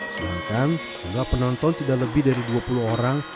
sedangkan jumlah penonton tidak lebih dari dua puluh orang